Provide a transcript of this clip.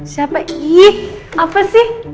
siapa ih apa sih